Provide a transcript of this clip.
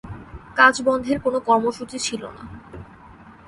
কাজ বন্ধের কোনো কর্মসূচি ছিল না।